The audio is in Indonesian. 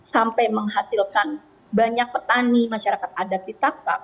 sampai menghasilkan banyak petani masyarakat adat ditangkap